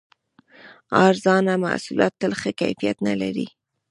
ارزانه محصولات تل ښه کیفیت نه لري.